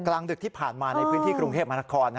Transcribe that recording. กลางดึกที่ผ่านมาในพื้นที่กรุงเทพมหานคร